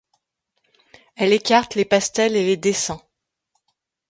Elle écarte les pastels et les dessins.